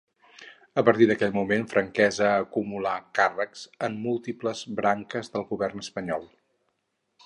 A partir d'aquell moment Franquesa acumulà càrrecs en múltiples branques del govern espanyol.